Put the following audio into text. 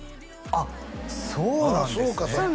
あっそうなんですねああ